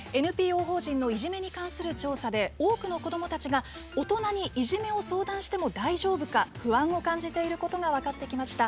ＮＰＯ法人のいじめに関する調査で大人にいじめを相談しても大丈夫か不安を感じていることが分かってきました。